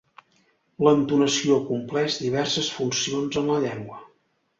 L'entonació compleix diverses funcions en la llengua.